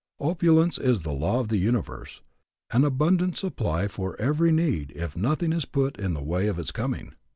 Opulence is the law of the universe, an abundant supply for every need if nothing is put in the way of its coming.